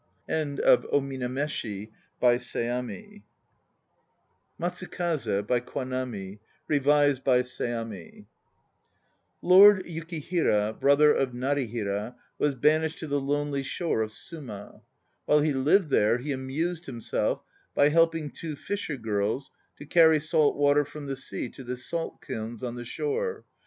MATSUKAZE By KWANAMI; REVISED BY SEAMI LORD YUKIHIRA, brother of Narihira, was banished to the lonely shore of Suma. While he lived there he amused himself by helping two fisher girls to carry salt water from the sea to the salt kilns on the shore.